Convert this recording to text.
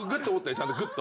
ちゃんとぐっと。